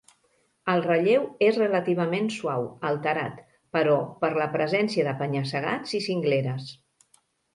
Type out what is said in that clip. El relleu és relativament suau, alterat, però, per la presència de penya-segats i cingleres.